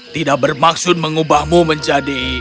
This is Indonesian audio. tidak bermaksud mengubahmu menjadi orang lain isabel